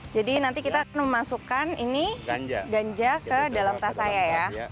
nanti kita akan memasukkan ini ganja ke dalam tas saya ya